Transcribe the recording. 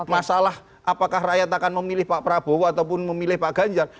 masalah apakah rakyat akan memilih pak prabowo ataupun memilih pak ganjar